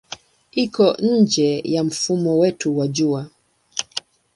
Iko nje ya mfumo wetu wa Jua.